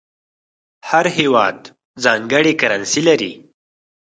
هر هېواد ځانګړې کرنسي لري.